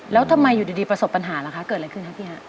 แล้วทำไมอยู่ดีประสบปัญหาล่ะคะเกิดอะไรขึ้นคะพี่ฮะ